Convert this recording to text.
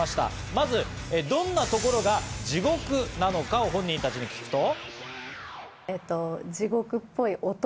まずどんなところが地獄なのかを本人たちに聞くと。